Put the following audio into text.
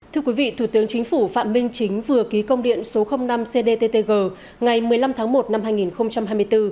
thưa quý vị thủ tướng chính phủ phạm minh chính vừa ký công điện số năm cdttg ngày một mươi năm tháng một năm hai nghìn hai mươi bốn